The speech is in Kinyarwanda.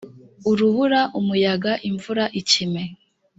urubura umuyaga imvura ikime